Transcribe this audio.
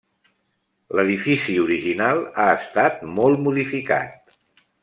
L'edifici original ha estat molt modificat.